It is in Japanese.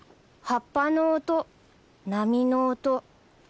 葉っぱの音波の音